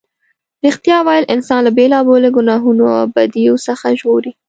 رښتیا ویل انسان له بېلا بېلو گناهونو او بدیو څخه ژغوري.